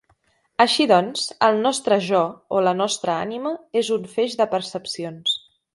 Així doncs, el nostre «jo» o la nostra ànima és un feix de percepcions.